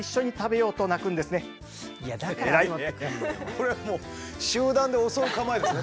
これはもう集団で襲う構えですね。